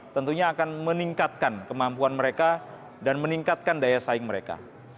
tentunya akan meningkatkan kemampuan mereka dan meningkatkan daya saing mereka